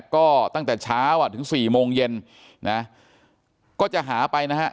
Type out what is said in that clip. ก็ตั้งแต่เช้าอ่ะถึง๔โมงเย็นนะก็จะหาไปนะฮะ